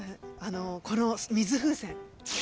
この水風船。